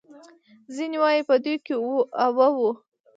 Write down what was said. ځینې وايي په دوی کې اوه وو.